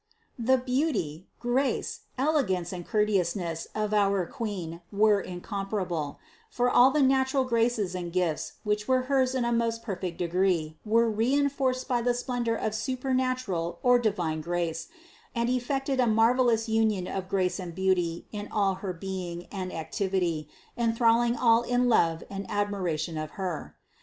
475. The beauty, grace, elegance and courteousness of our Queen were incomparable ; for all the natural graces and gifts, which were hers in a most perfect degree, were re enforced by the splendor of supernatural or divine grace, and effected a marvelous union of grace and beauty in all her being and activity, enthralling all in love and admiration of Her.